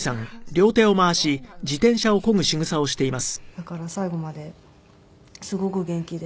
だから最後まですごく元気で。